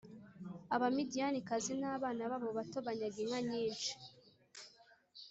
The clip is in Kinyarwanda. Abamidiyanikazi n’abana babo bato banyaga inka nyinshi